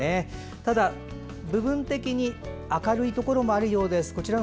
ただ、部分的に明るいところもあるようです。